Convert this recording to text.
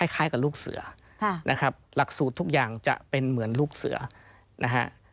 คล้ายกับลูกเสือนะครับหลักสูตรทุกอย่างจะเป็นเหมือนลูกเสือนะฮะ